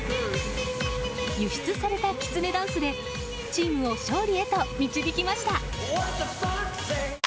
輸出されたきつねダンスでチームを勝利へと導きました。